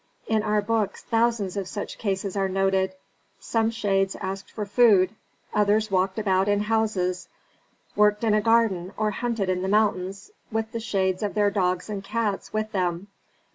In our books thousands of such cases are noted; some shades asked for food, others walked about in houses, worked in a garden, or hunted in the mountains with the shades of their dogs and cats with them.